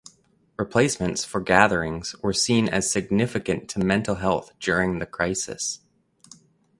Replacements for gatherings were seen as significant to mental health during the crisis.